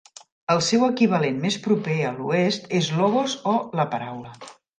El seu equivalent més proper a l'Oest és Logos o la "Paraula".